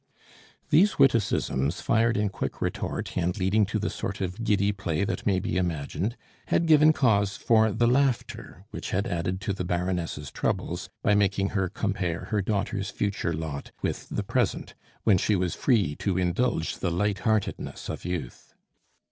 These witticisms, fired in quick retort, and leading to the sort of giddy play that may be imagined, had given cause for the laughter which had added to the Baroness' troubles by making her compare her daughter's future lot with the present, when she was free to indulge the light heartedness of youth.